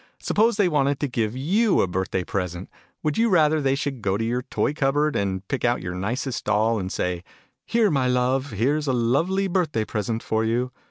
Suppose they wanted to give you a birth day present, would you rather they should go to your toy cupboard, and pick out your nicest doll, and say " Here, my love, here's a lovely birthday present for you!"